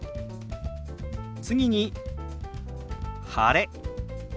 次に「晴れ」。